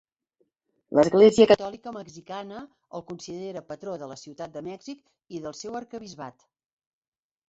L'església catòlica mexicana el considera patró de la Ciutat de Mèxic i del seu arquebisbat.